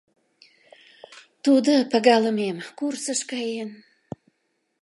Тудо, пагалымем, курсыш каен.